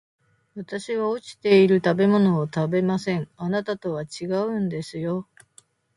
私は落ちている食べ物を食べません、あなたとは違うんですよ